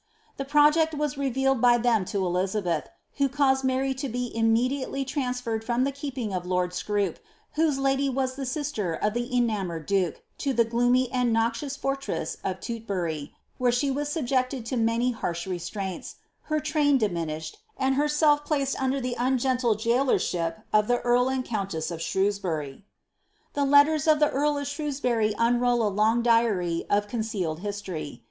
The project was revealed by them to Elizabeth^ who caused Mary to be immediately transferred from the keeping of lord Scroop, whoee lady was the sister of the enamoured duke, to the gloomy and noxious fortress of Tutbury, where she was subjected to many liarsh reetiainls, her train diminished, and herself placed under the un gende gaolersbip of the earl and countess of Shrewsbury.* The letters of the earl of Shrewsbury unrol a long diary of concealed histoiy.'